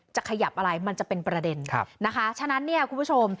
จะขยับอะไรมันจะเป็นประเด็นนะคะฉะนั้นเนี่ยคุณผู้ชม